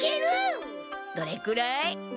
どれくらい？